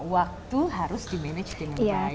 waktu harus dimanage dengan baik